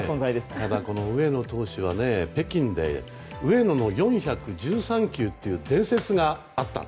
ただ上野投手は北京で上野の４１３球という伝説があった。